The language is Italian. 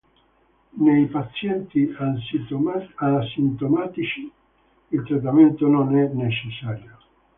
Nei pazienti asintomatici il trattamento non è necessario.